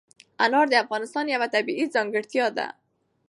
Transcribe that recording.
انار د افغانستان یوه طبیعي ځانګړتیا ده.